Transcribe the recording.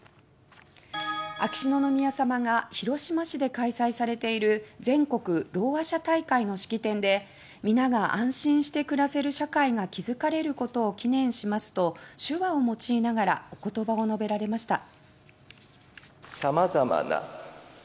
秋篠宮さまが広島市で開催されている「全国ろうあ者大会」の式典で「皆が安心して暮らせる社会が築かれることを祈念します」と手話を用いながらおことばを述べられました。